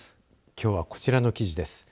きょうはこちらの記事です。